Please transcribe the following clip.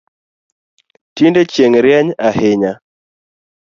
Tinde chieng rieny ahinya